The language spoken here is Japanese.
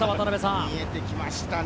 見えてきましたね。